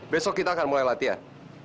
besok kita akan mulai latihan